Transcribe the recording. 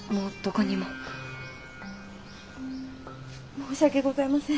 申し訳ございません。